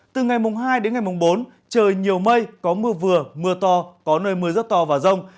từ ngày mùng hai đến ngày mùng bốn trời nhiều mây có mưa vừa mưa to có nơi mưa rất to và rông